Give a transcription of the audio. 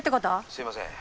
すみません。